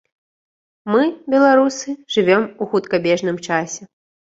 Мы, беларусы, жывём у хуткабежным часе.